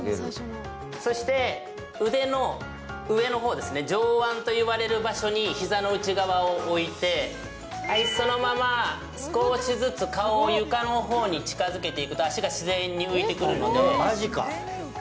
そして腕の上のほうですね、上腕と言われる場所に膝の内側を置いて、そのまま少しずつ顔を床の方に近づけていくと足が自然に浮いてくるので。